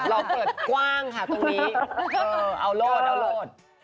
เราเปิดกว้างค่ะตรงนี้เอาโหลด